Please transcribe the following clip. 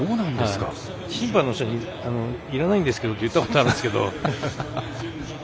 審判の人に「いらないんですけど」って言ったことあるんですけど。